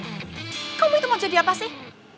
kamu itu mau jadi apa sih